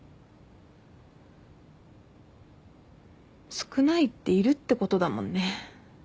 少ないっているってことだもんね。